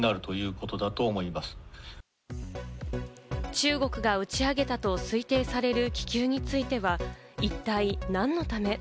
中国が打ち上げたと推定される気球については、一体、何のため？